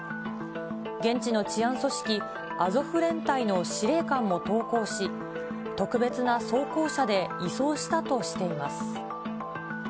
現地の治安組織、アゾフ連隊の司令官も投降し、特別な装甲車で移送したとしています。